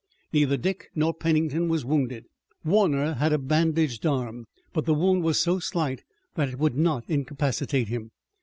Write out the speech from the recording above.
Neither Dick nor Pennington was wounded. Warner had a bandaged arm, but the wound was so slight that it would not incapacitate him.